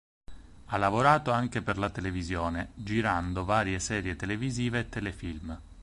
Ha lavorato anche per la televisione, girando varie serie televisive e telefilm.